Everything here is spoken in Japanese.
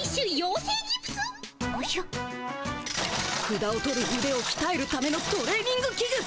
ふだを取るうでをきたえるためのトレーニングき具。